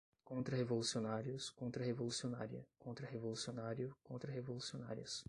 Contrarrevolucionários, contrarrevolucionária, contrarrevolucionário, contrarrevolucionárias